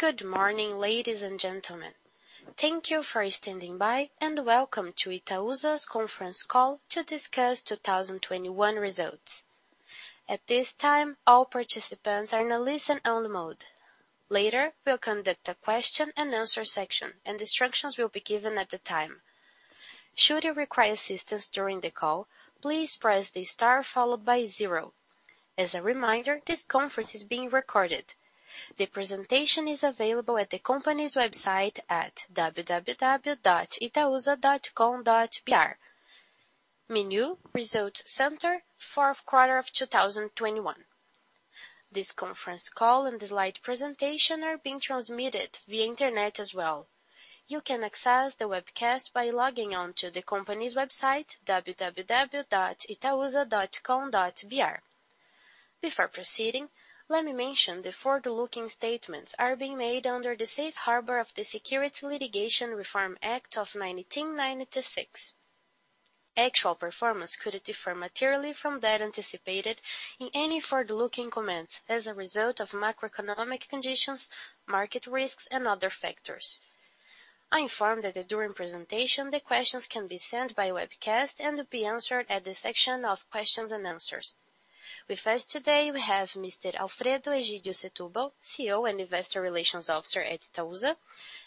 Good morning, ladies and gentlemen. Thank you for standing by, and welcome to Itaúsa's conference call to discuss 2021 results. At this time, all participants are in a listen-only mode. Later, we'll conduct a question and answer section and instructions will be given at the time. Should you require assistance during the call, please press the star followed by zero. As a reminder, this conference is being recorded. The presentation is available at the company's website at www.itausa.com.br, menu Results Center fourth quarter of 2021. This conference call and the slide presentation are being transmitted via internet as well. You can access the webcast by logging on to the company's website www.itausa.com.br. Before proceeding, let me mention the forward-looking statements are being made under the safe harbor of the Private Securities Litigation Reform Act of 1995. Actual performance could differ materially from that anticipated in any forward-looking comments as a result of macroeconomic conditions, market risks and other factors. I inform that during presentation, the questions can be sent by webcast and be answered at the section of questions and answers. With us today we have Mr. Alfredo Egydio Setubal, CEO and Investor Relations Officer at Itaúsa,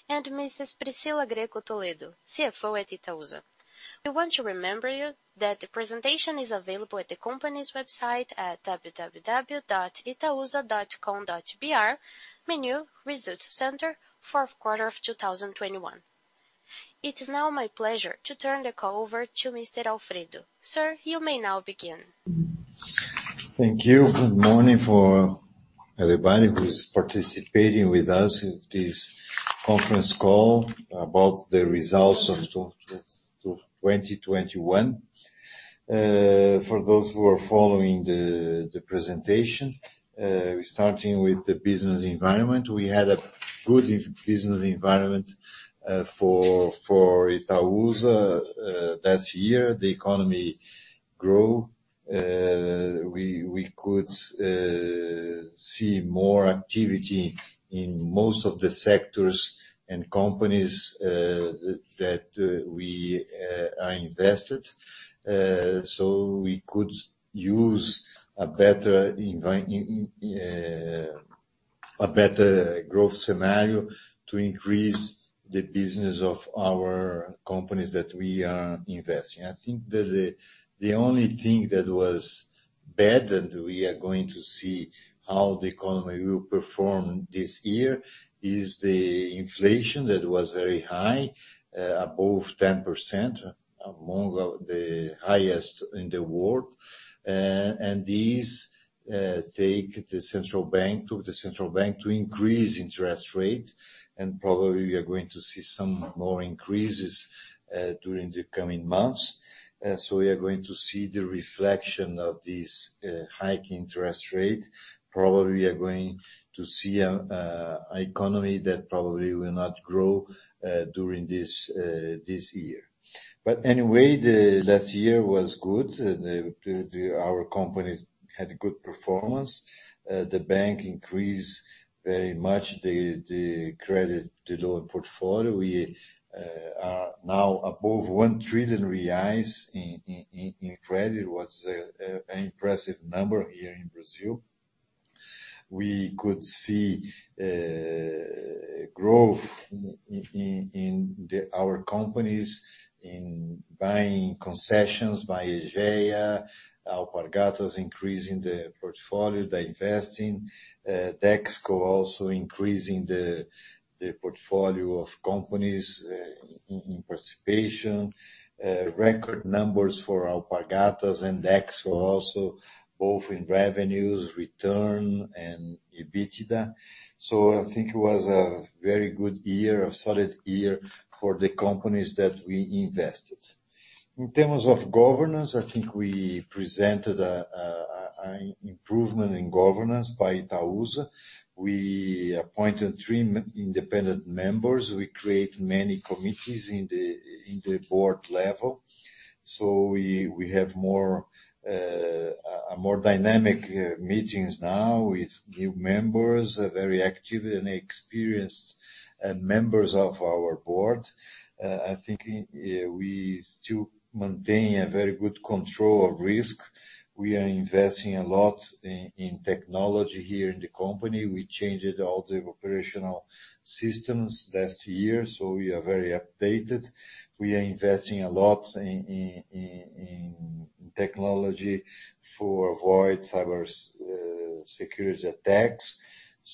and Mrs. Priscila Grecco Toledo, CFO at Itaúsa. We want to remind you that the presentation is available at the company's website at www.itausa.com.br menu Results Center fourth quarter of 2021. It is now my pleasure to turn the call over to Mr. Alfredo. Sir, you may now begin. Thank you. Good morning for everybody who is participating with us in this conference call about the results of 2021. For those who are following the presentation, we're starting with the business environment. We had a good business environment for Itaúsa last year. The economy grew. We could see more activity in most of the sectors and companies that we are invested. So we could use a better growth scenario to increase the business of our companies that we are investing. I think that the only thing that was bad and we are going to see how the economy will perform this year is the inflation that was very high, above 10%, among the highest in the world. This takes the central bank to increase interest rates and probably we are going to see some more increases during the coming months. We are going to see the reflection of this hike interest rate. Probably we are going to see an economy that probably will not grow during this year. Anyway, the last year was good. Our companies had good performance. The bank increased very much the credit to loan portfolio. We are now above 1 trillion reais in credit, was an impressive number here in Brazil. We could see growth in our companies in buying concessions by Aegea, Alpargatas increasing the portfolio; they're investing. Dexco also increasing the portfolio of companies in participation. Record numbers for Alpargatas and Dexco also both in revenues, return and EBITDA. I think it was a very good year, a solid year for the companies that we invested. In terms of governance, I think we presented an improvement in governance by Itaúsa. We appointed three independent members. We created many committees in the board level, so we have more a more dynamic meetings now with new members, a very active and experienced members of our board. I think we still maintain a very good control of risk. We are investing a lot in technology here in the company. We changed all the operational systems last year, so we are very updated. We are investing a lot in technology to avoid cyber security attacks.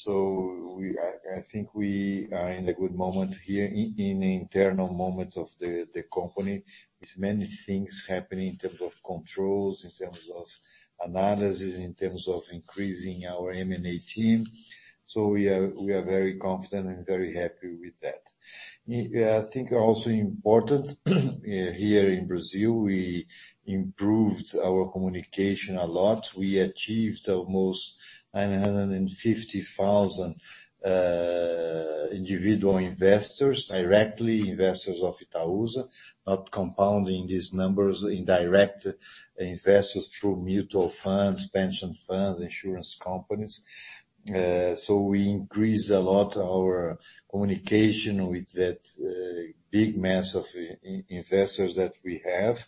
I think we are in a good moment here in internal moments of the company with many things happening in terms of controls, in terms of analysis, in terms of increasing our M&A team. We are very confident and very happy with that. I think also important, here in Brazil, we improved our communication a lot. We achieved almost 950,000 individual investors, directly investors of Itaúsa, not compounding these numbers in direct investors through mutual funds, pension funds, insurance companies. We increased a lot our communication with that big mass of investors that we have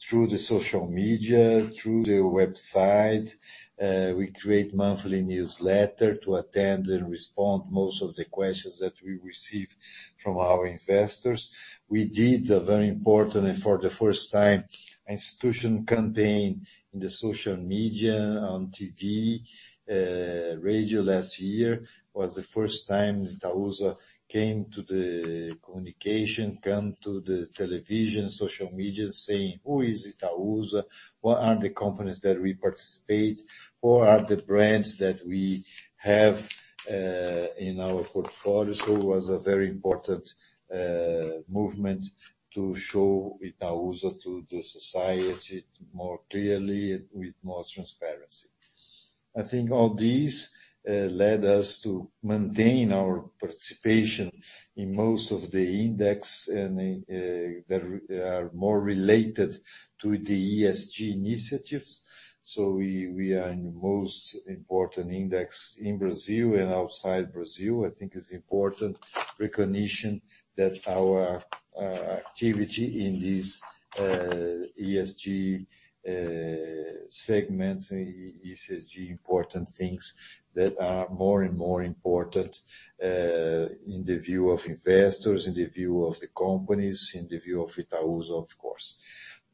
through the social media, through the website. We create monthly newsletter to attend and respond most of the questions that we receive from our investors. We did a very important and for the first time, institutional campaign in social media, on TV, radio. Last year was the first time Itaúsa came to the communication, to the television, social media saying, "Who is Itaúsa? What are the companies that we participate? What are the brands that we have in our portfolio?" It was a very important movement to show Itaúsa to the society more clearly and with more transparency. I think all this led us to maintain our participation in most of the index and that are more related to the ESG initiatives. We are in the most important index in Brazil and outside Brazil. I think it's important recognition that our activity in this ESG segment, ESG important things that are more and more important, in the view of investors, in the view of the companies, in the view of Itaúsa, of course.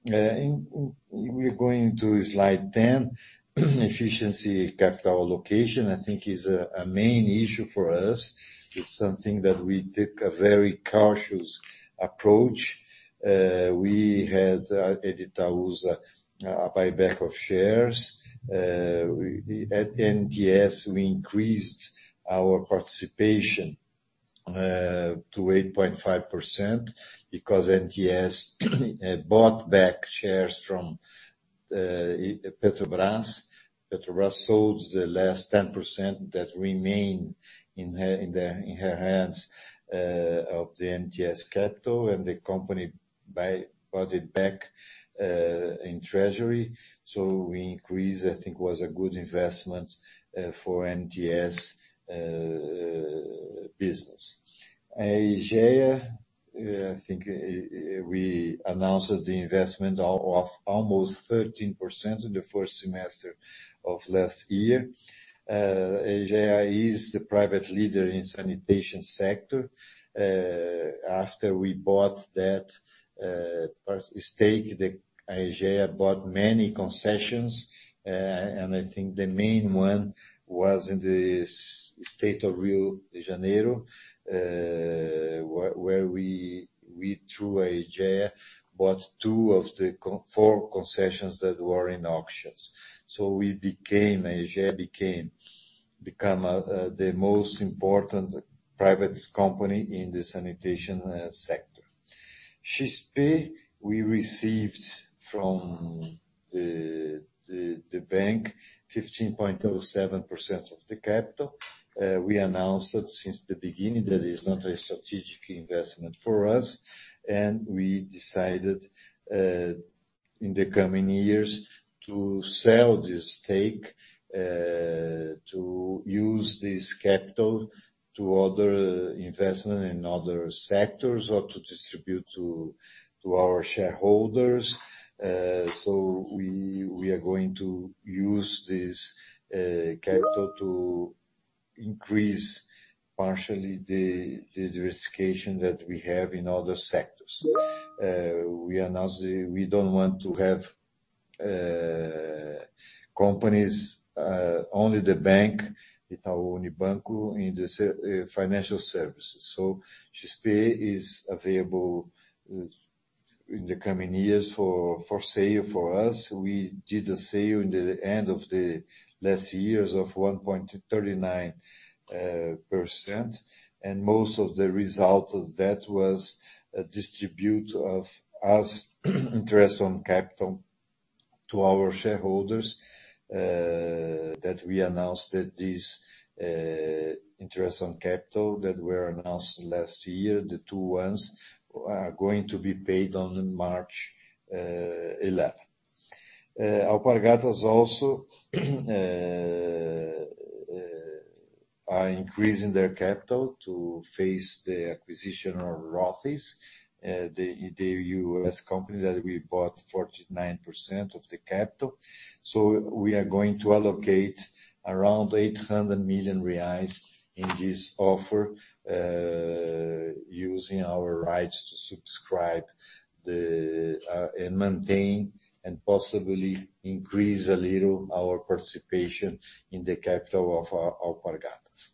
We're going to slide 10. Efficient capital allocation, I think is a main issue for us. It's something that we take a very cautious approach. We had at Itaúsa a buyback of shares. At NTS we increased our participation to 8.5% because NTS bought back shares from Petrobras. Petrobras sold the last 10% that remained in her hands of the NTS capital and the company bought it back in treasury. We increased. I think it was a good investment for NTS business. Aegea, I think we announced the investment of almost 13% in the first semester of last year. Aegea is the private leader in the sanitation sector. After we bought that first stake, Aegea bought many concessions, and I think the main one was in the state of Rio de Janeiro, where we, through Aegea, bought two of the four concessions that were in auctions. Aegea became the most important private company in the sanitation sector. XP, we received from the bank 15.07% of the capital. We announced that since the beginning that is not a strategic investment for us and we decided in the coming years to sell this stake to use this capital to other investment in other sectors or to distribute to our shareholders. We are going to use this capital to increase partially the diversification that we have in other sectors. We announced that we don't want to have companies only the bank, Itaú Unibanco in the financial services. XP is available in the coming years for sale for us. We did a sale at the end of last year of 1.39%, and most of the result of that was a distribution of our interest on capital to our shareholders that we announced that this interest on capital that were announced last year, the two ones are going to be paid on March 11. Alpargatas also are increasing their capital to finance the acquisition of Rothy's, the U.S. company that we bought 49% of the capital. We are going to allocate around 800 million reais in this offer, using our rights to subscribe to and maintain and possibly increase a little our participation in the capital of Alpargatas.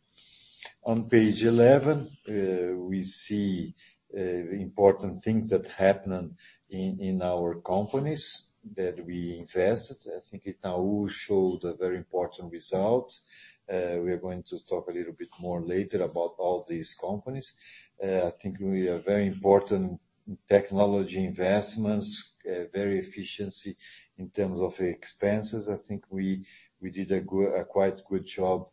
On page 11, we see important things that happened in our companies that we invested. I think Itaú showed a very important result. We are going to talk a little bit more later about all these companies. I think we have very important technology investments, very efficient in terms of expenses. I think we did a quite good job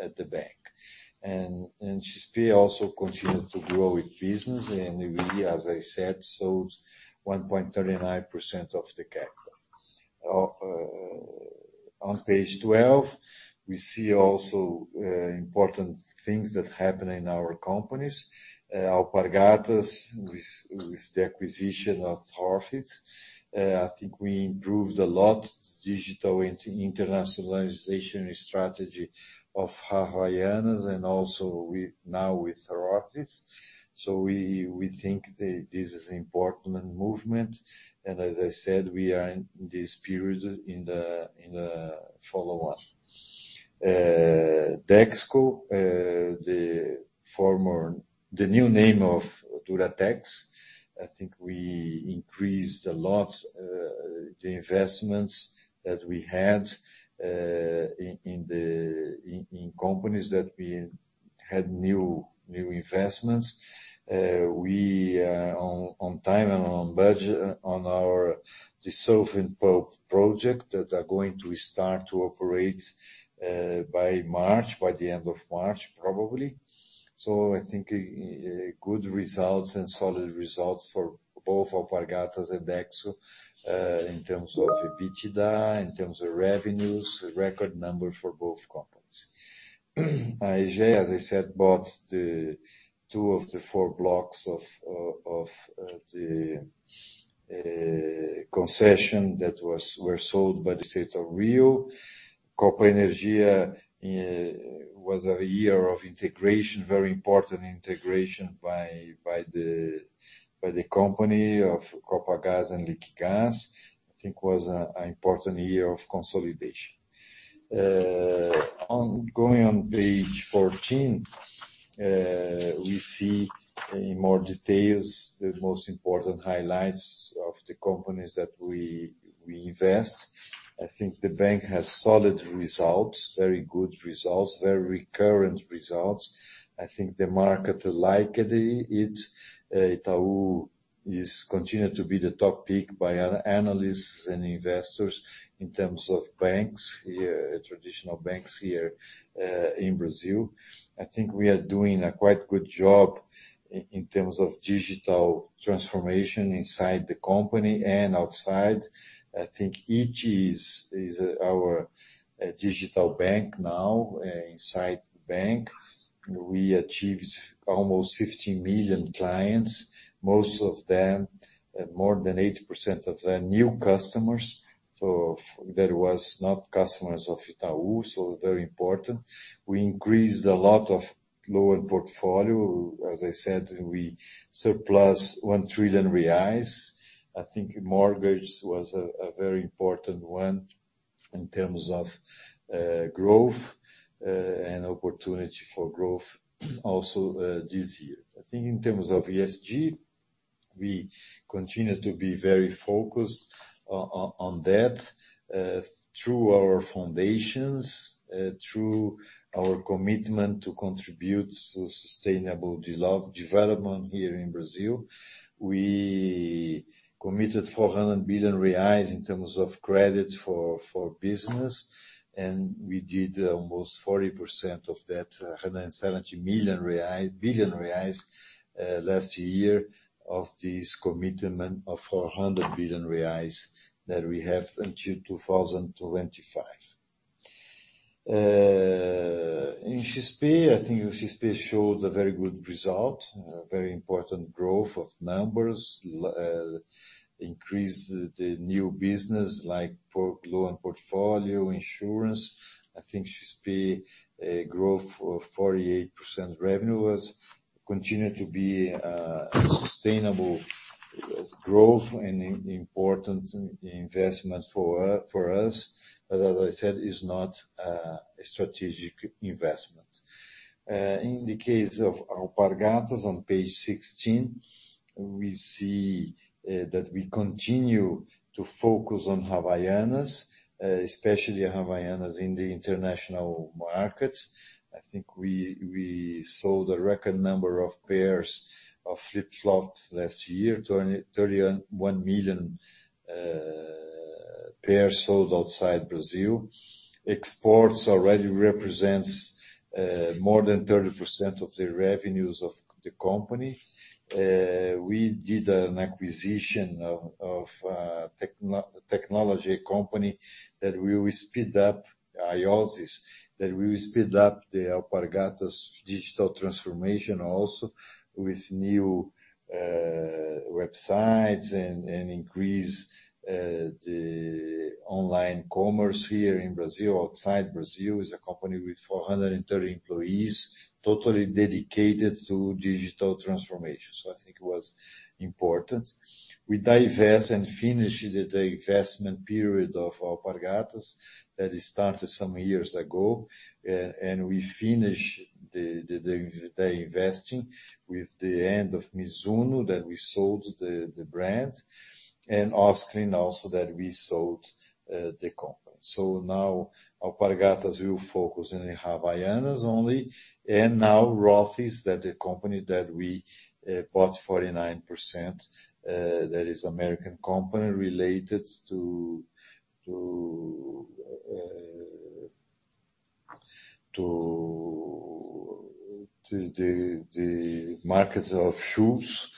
at the bank, and XP also continued to grow its business and we, as I said, sold 1.39% of the capital. On page 12, we see also important things that happen in our companies. Alpargatas with the acquisition of Rothy's, I think we improved a lot in digital and internationalization strategy of Havaianas and also now with Rothy's. We think that this is important movement, and as I said, we are in this period in the follow-on. Dexco, the new name of Duratex, I think we increased a lot the investments that we had in the companies that we had new investments. We are on time and on budget on our dissolving pulp project that are going to start to operate by March, by the end of March, probably. I think good results and solid results for both Alpargatas and Dexco in terms of EBITDA, in terms of revenues, record number for both companies. Aegea, as I said, bought two of the four blocks of the concession that were sold by the state of Rio. Copa Energia was a year of integration, very important integration by the company of Copagaz and Liquigás. I think it was an important year of consolidation. Going on page 14, we see in more details the most important highlights of the companies that we invest. I think the bank has solid results, very good results, very recurrent results. I think the market liked it. Itaú continues to be the top pick by analysts and investors in terms of banks here, traditional banks here, in Brazil. I think we are doing a quite good job in terms of digital transformation inside the company and outside. I think iti is our digital bank now inside the bank. We achieved almost 50 million clients, most of them, more than 80% of them, new customers. That was not customers of Itaú, so very important. We increased a lot of loan portfolio. As I said, we surpassed 1 trillion reais. I think mortgage was a very important one in terms of growth and opportunity for growth also this year. I think in terms of ESG, we continue to be very focused on that through our foundations through our commitment to contribute to sustainable development here in Brazil. We committed 400 billion reais in terms of credit for business, and we did almost 40% of that, 170 billion reais last year of this commitment of 400 billion reais that we have until 2025. In XP, I think XP showed a very good result, very important growth of numbers, increased the new business like loan portfolio, insurance. I think XP growth of 48% revenue has continued to be a sustainable growth and important investments for us. As I said, it's not a strategic investment. In the case of Alpargatas on page 16, we see that we continue to focus on Havaianas, especially Havaianas in the international markets. I think we sold a record number of pairs of flip-flops last year, 31 million pairs sold outside Brazil. Exports already represents more than 30% of the revenues of the company. We did an acquisition of a technology company that will speed up ioasys, that will speed up the Alpargatas digital transformation also with new websites and increase the online commerce here in Brazil. Outside Brazil is a company with 430 employees, totally dedicated to digital transformation. I think it was important. We divest and finish the divestment period of Alpargatas that started some years ago, and we finish the investing with the end of Mizuno, that we sold the brand, and Osklen also that we sold the company. Now Alpargatas will focus in Havaianas only. Now Rothy's that the company that we bought 49%, that is American company related to the markets of shoes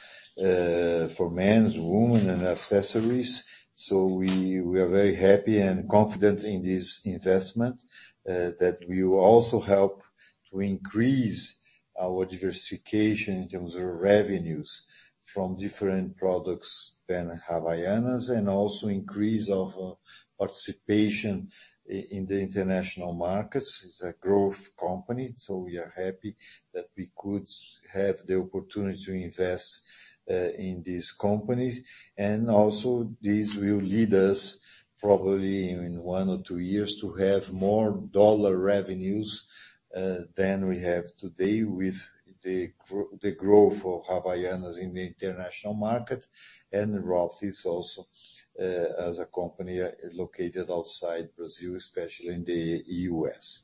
for men's, women and accessories. We are very happy and confident in this investment that will also help to increase our diversification in terms of revenues from different products than Havaianas, and also increase our participation in the international markets. It's a growth company, so we are happy that we could have the opportunity to invest in this company. This will lead us probably in one or two years to have more dollar revenues than we have today with the growth of Havaianas in the international market and Rothy's also, as a company located outside Brazil, especially in the U.S.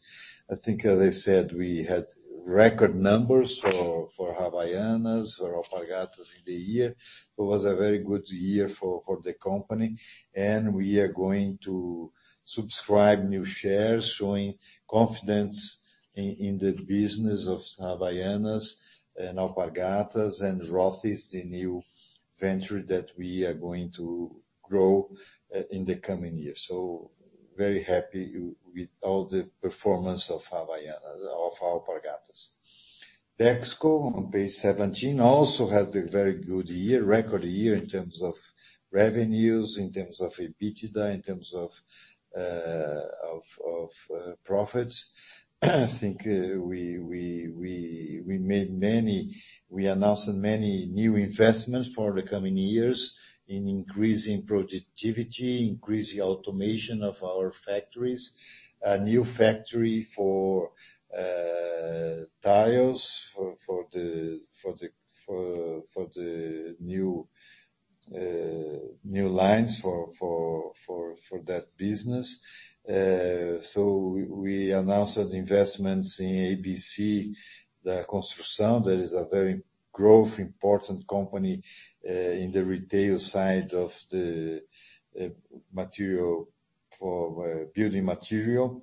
I think, as I said, we had record numbers for Havaianas or Alpargatas in the year. It was a very good year for the company, and we are going to subscribe new shares showing confidence in the business of Havaianas and Alpargatas and Rothy's is the new venture that we are going to grow in the coming years. Very happy with all the performance of Havaianas of Alpargatas. Dexco on page 17 also had a very good year, record year in terms of revenues, in terms of EBITDA, in terms of profits. I think we announced many new investments for the coming years in increasing productivity, increasing automation of our factories. A new factory for tiles for the new lines for that business. We announced investments in ABC da Construção that is a very growth important company in the retail side of the material for building material.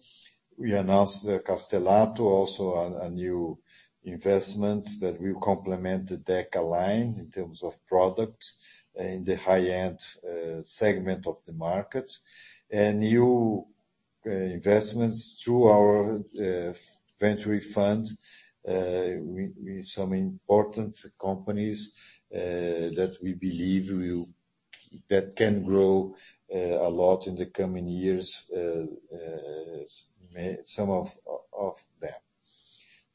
We announced Castelatto also a new investment that will complement the Deca line in terms of products in the high-end segment of the market. New investments through our venture fund. Some important companies that we believe can grow a lot in the coming years, some of them.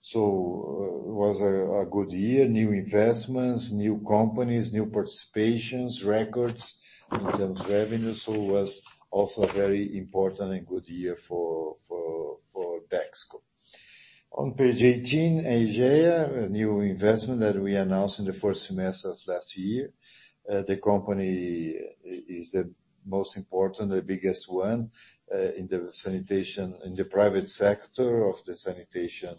It was a good year. New investments, new companies, new participations, records in terms of revenues. It was also a very important and good year for Dexco. On page 18, Aegea, a new investment that we announced in the first semester of last year. The company is the most important, the biggest one, in the sanitation, in the private sector of the sanitation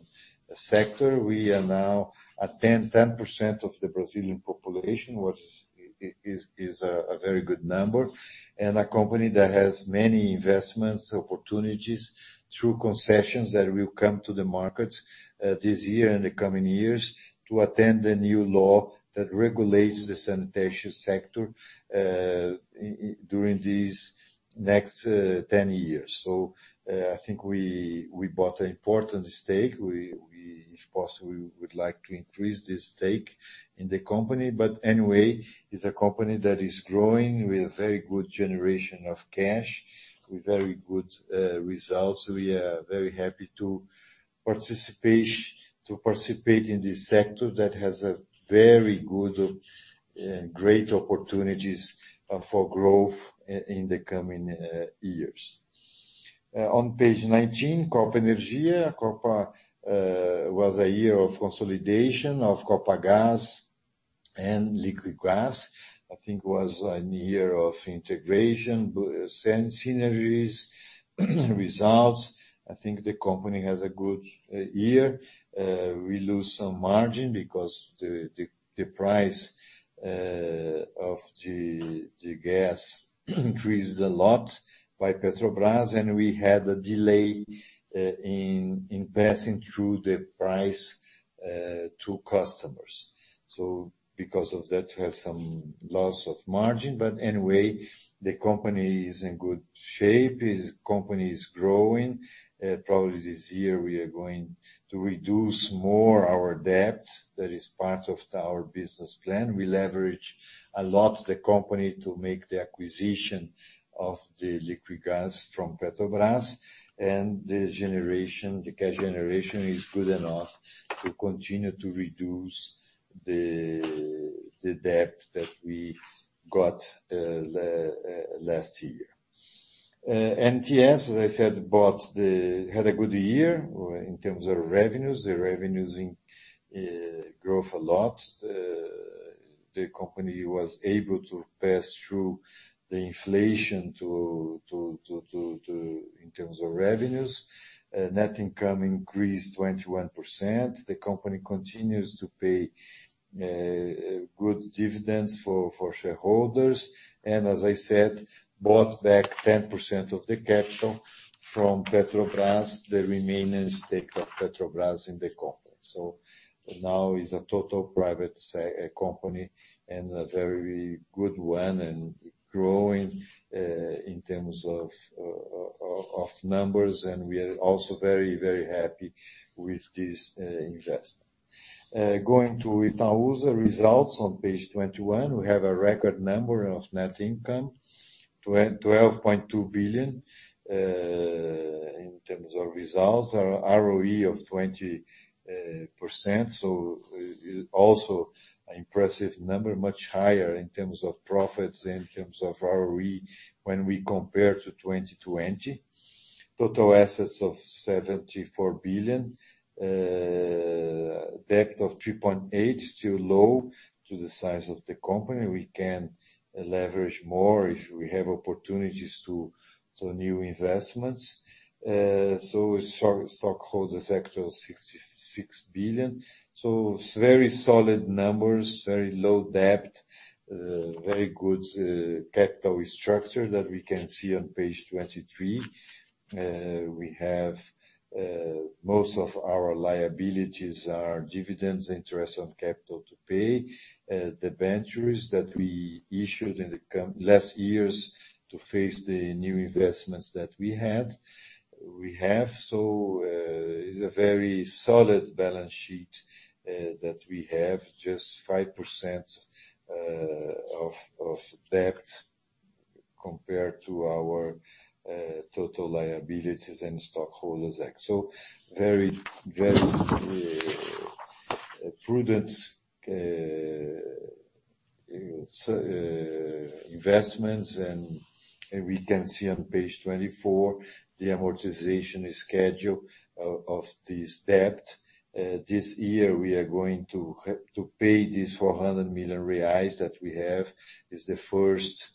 sector. We are now at 10% of the Brazilian population, which is a very good number, and a company that has many investments, opportunities through concessions that will come to the market, this year and the coming years to attend the new law that regulates the sanitation sector, during these next 10 years. I think we bought an important stake. If possible, we would like to increase the stake in the company. It's a company that is growing with very good generation of cash, with very good results. We are very happy to participate in this sector that has a very good, great opportunities for growth in the coming years. On page 19, Copa Energia. 2023 was a year of consolidation of Copagaz and Liquigás. I think it was a year of integration, synergies, results. I think the company has a good year. We lose some margin because the price of the gas increased a lot by Petrobras, and we had a delay in passing through the price to customers. Because of that, we have some loss of margin. The company is in good shape. The company is growing. Probably this year we are going to reduce more our debt. That is part of our business plan. We leverage a lot the company to make the acquisition of the Liquigas from Petrobras and the cash generation is good enough to continue to reduce the debt that we got last year. NTS, as I said, had a good year in terms of revenues. The revenues grew a lot. The company was able to pass through the inflation in terms of revenues. Net income increased 21%. The company continues to pay good dividends for shareholders. As I said, bought back 10% of the capital from Petrobras, the remaining stake of Petrobras in the company. Now it is a totally private company and a very good one, and growing in terms of numbers. We are also very, very happy with this investment. Going to Itaú's results on page 21, we have a record number of net income, 12.2 billion in terms of results, our ROE of 20%. Also impressive number, much higher in terms of profits, in terms of ROE when we compare to 2020. Total assets of 74 billion. Debt of 3.8 billion, still low to the size of the company. We can leverage more if we have opportunities for new investments. Stockholders' equity of 66 billion. Very solid numbers, very low debt, very good capital structure that we can see on page 23. We have most of our liabilities are dividends, interest on capital to pay, debentures that we issued in the last years to face the new investments that we have. It is a very solid balance sheet that we have, just 5% of debt compared to our total liabilities and stockholders' equity. Very prudent investments. We can see on page 24 the amortization schedule of this debt. This year we are going to pay this 400 million reais that we have, is the first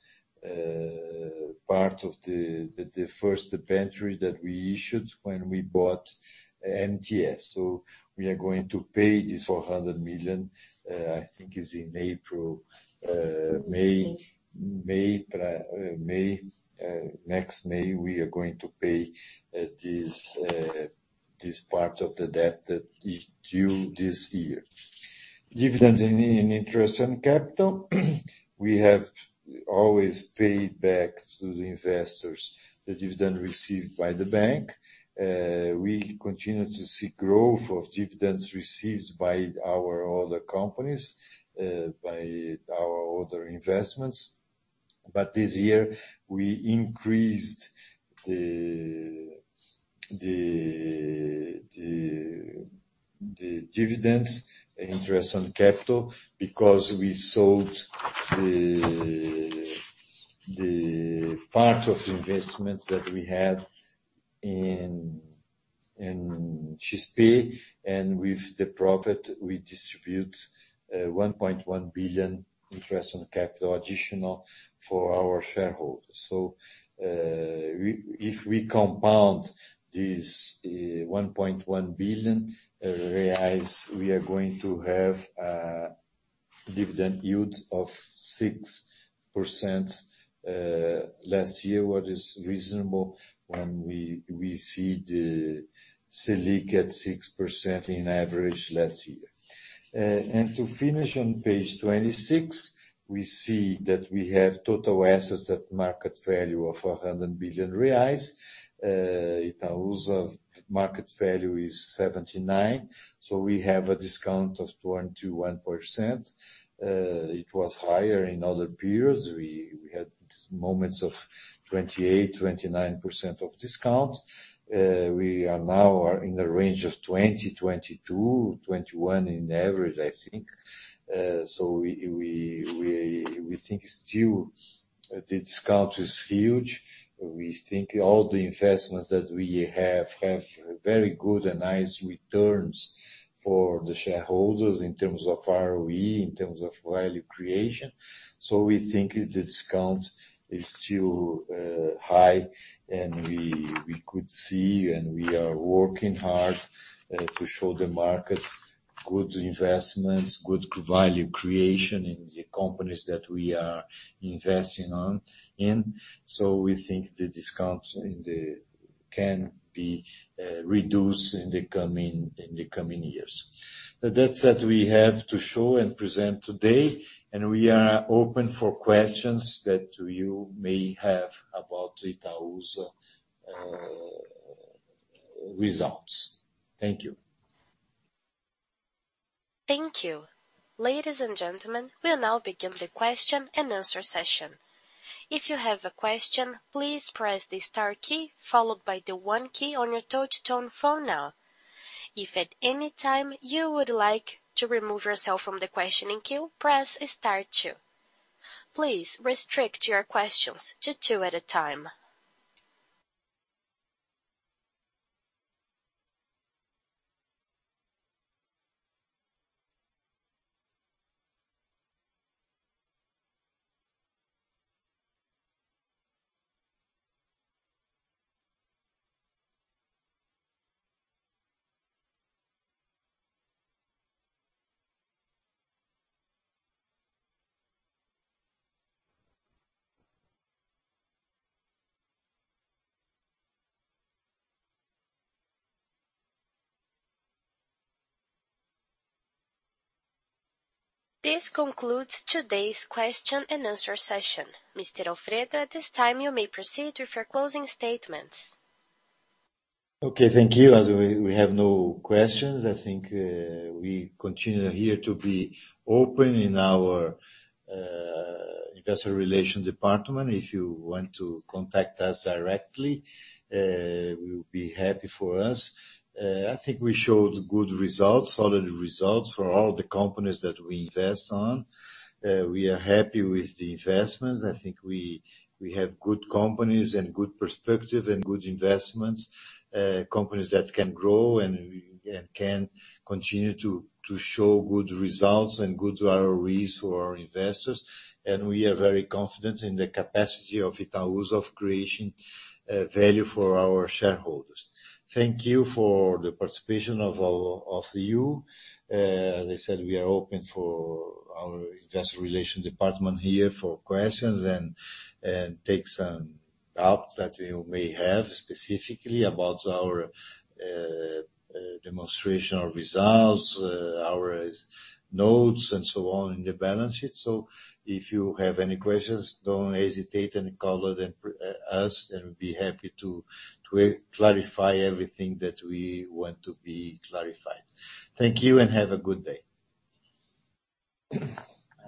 part of the first debenture that we issued when we bought NTS. We are going to pay this 400 million, I think it's in April, May. May. Next May, we are going to pay this part of the debt that is due this year. Dividends and interest on capital, we have always paid back to the investors the dividend received by the bank. We continue to see growth of dividends received by our other companies, by our other investments. This year we increased the dividends, interest on capital because we sold the part of the investments that we had in XP and with the profit we distribute 1.1 billion interest on capital additional for our shareholders. If we compound this 1.1 billion reais, we are going to have a dividend yield of 6% last year, which is reasonable when we see the Selic at 6% on average last year. To finish on page 26, we see that we have total assets at market value of 400 billion reais. Itaú's market value is 79 billion, so we have a discount of 21%. It was higher in other periods. We had moments of 28%, 29% discount. We are now in the range of 20%, 22%, 21% on average, I think. We think still the discount is huge. We think all the investments that we have have very good and nice returns for the shareholders in terms of ROE, in terms of value creation. We think the discount is still high and we could see and we are working hard to show the market good investments, good value creation in the companies that we are investing in. We think the discount can be reduced in the coming years. That's what we have to show and present today, and we are open for questions that you may have about Itaú's results. Thank you. Thank you. Ladies and gentlemen, we'll now begin the question-and-answer session. If you have a question, please press the star key followed by the one key on your touch-tone phone now. If any time you would like to remove yourself from the questioning queue, press star two. Please, restrict your questions to two at a time. This concludes today's question-and-answer session. Mr. Alfredo, at this time, you may proceed with your closing statements. Thank you. We have no questions, I think. We continue here to be open in our investor relations department. If you want to contact us directly, we will be happy for us. I think we showed good results, solid results for all the companies that we invest on. We are happy with the investments. I think we have good companies in good perspective and good investments, companies that can grow and can continue to show good results and good ROEs for our investors. We are very confident in the capacity of Itaúsa to create value for our shareholders. Thank you for the participation of all of you. As I said, we are open for our Investor Relations department here for questions and take some doubts that you may have specifically about our demonstration or results, our notes and so on in the balance sheet. If you have any questions, don't hesitate and call us, and we'll be happy to clarify everything that we want to be clarified. Thank you and have a good day.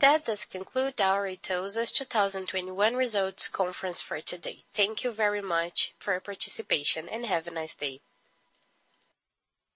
That does conclude our Itaúsa's 2021 results conference for today. Thank you very much for your participation and have a nice day.